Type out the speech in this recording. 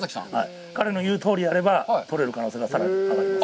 彼の言うとおりやれば取れる可能性がさらに上がります。